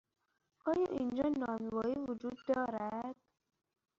آیا اینجا نانوایی وجود دارد؟